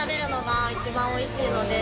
が一番おいしいので。